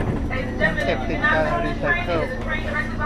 ฉันเสพติดการรีไซเคิล